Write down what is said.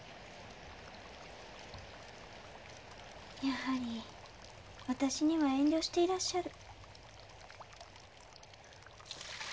やはり私には遠慮していらっしゃる。